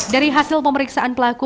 dari hasil pemeriksaan pelaku